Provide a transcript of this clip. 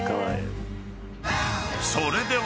［それでは］